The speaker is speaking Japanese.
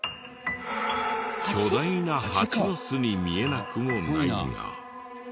巨大なハチの巣に見えなくもないが。